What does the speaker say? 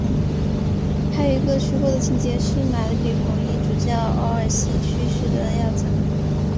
还有一个虚构的情节是玛丽比红衣主教沃尔西去世的要早。